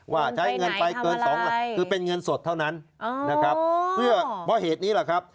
ว่าใช้เงินไปเกิน๒ล้านการณ์คือเป็นเงินสดเท่านั้นนะครับเพราะเหตุนี้แหละครับ